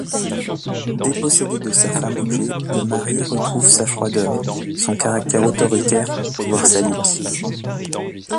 Dépossédé de sa femme-objet, le mari retrouve sa froideur, son caractère autoritaire, voire sadique.